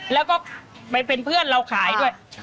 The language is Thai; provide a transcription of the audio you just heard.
แล้วก็ไปเป็นเพื่อนเราขายด้วย